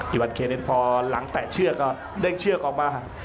อีวัลเคเรียนพอหลังแตะเชื่อก็เร่งเชื่อกออกมาครับ